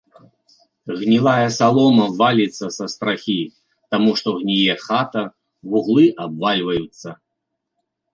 Гнілая салома валіцца са страхі, таму што гніе хата, вуглы абвальваюцца.